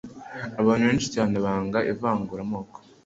Abantu benshi cyane banga ivanguramoko